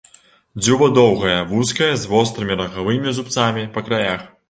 Дзюба доўгая, вузкая, з вострымі рагавымі зубцамі па краях.